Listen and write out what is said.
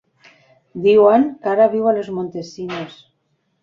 Diuen que ara viu a Los Montesinos.